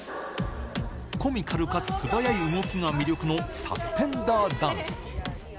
コミカルかつ素早い動きが魅力のサスペンダーダンス。